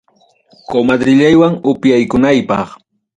Comadrellaywan upiaykunaypaq.